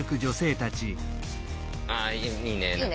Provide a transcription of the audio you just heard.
ああいいね。